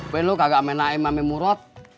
ben lu kagak main naim main murot